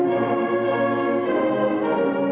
lagu kebangsaan indonesia raya